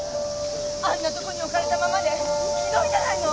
あんなところに置かれたままでひどいじゃないの！